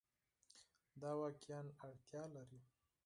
دا واقعیا اړتیا لري